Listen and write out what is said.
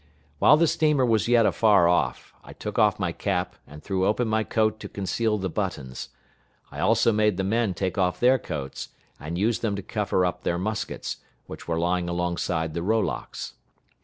While the steamer was yet afar off, I took off my cap, and threw open my coat to conceal the buttons. I also made the men take off their coats, and use them to cover up their muskets, which were lying alongside the rowlocks.